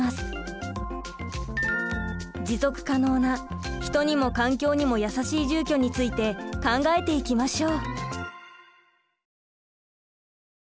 持続可能な人にも環境にも優しい住居について考えていきましょう。